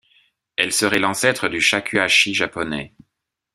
Elle serait l'ancêtre du shakuhachi japonais.